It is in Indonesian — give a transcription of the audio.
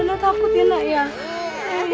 karena takut ya nak ya